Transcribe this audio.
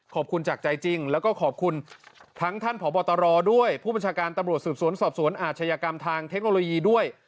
ขอบคุณจากใจจริงแล้วก็ขอบคุณทั้งท่านผอบตรด้วยผู้บัญชาการตำรวจสืบสวนสอบสวนอาชญากรรมทางเทคโนโลยีด้วย